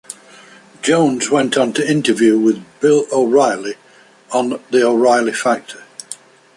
Jones went on to interview with Bill O'Reilly on "The O'Reilly Factor".